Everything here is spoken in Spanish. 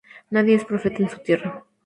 Nadie es profeta en su tierra